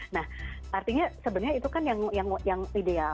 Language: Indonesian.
nah artinya sebenarnya itu kan yang ideal